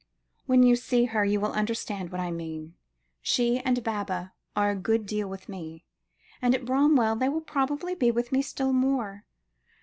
When you see her, you will understand what I mean. She and Baba are a good deal with me, and at Bramwell they will probably be with me still more."